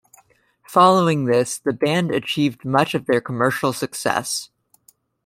Following this the band achieved much of their commercial success.